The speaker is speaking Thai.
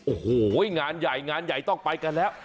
โอ้โหงานใหญ่งานใหญ่ต้องไปกันแล้ว